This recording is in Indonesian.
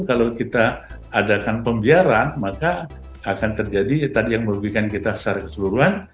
kalau kita adakan pembiaran maka akan terjadi tadi yang merugikan kita secara keseluruhan